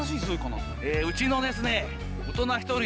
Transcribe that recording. ええうちのですね